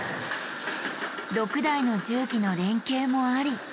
６台の重機の連携もあり。